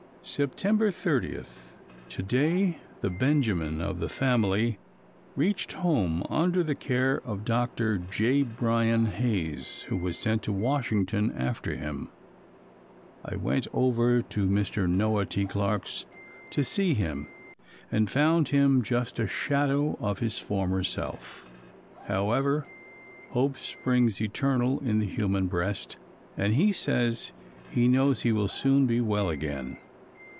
September 30. To day the "Benjamin" of the family reached home under the care of Dr. J. Byron Hayes, who was sent to Washington after him. I went over to Mr. Noah T. Clarke's to see him and found him just a shadow of his former self. However, "hope springs eternal in the human breast" and he says he knows he will soon be well again.